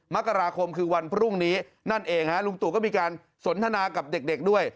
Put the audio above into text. มกราคมคือวันพรุ่งนี้นั่นเองฮะลุงตู่ก็มีการสนทนากับเด็กด้วย